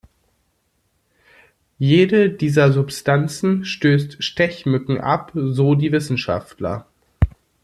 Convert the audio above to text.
Jede dieser Substanzen stößt Stechmücken ab, so die Wissenschaftler.